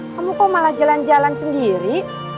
kamu kok malah jalan jalan sendiri